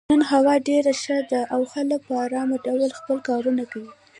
نن هوا ډېره ښه ده او خلک په ارام ډول خپل کارونه کوي.